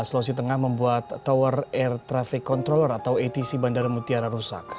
sulawesi tengah membuat tower air traffic controller atau atc bandara mutiara rusak